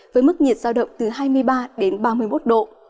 với mức nhiệt giao động từ hai mươi ba đến ba mươi một độ